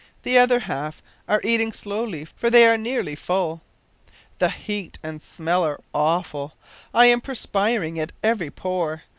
The other half are eating slowly, for they are nearly full. The heat and smell are awful! I am perspiring at every pore.